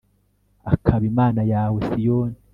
akaba imana yawe, siyoni